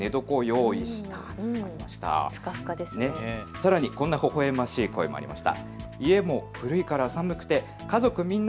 さらに、こんなほほえましい声もありました。